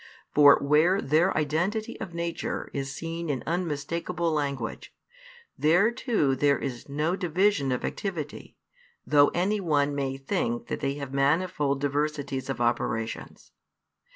For where Their identity of nature is seen in unmistakeable language, there too there is no division of activity, though any one may think that they have manifold diversities of operations.